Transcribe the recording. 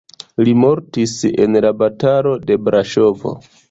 Li mortis en la batalo de Braŝovo.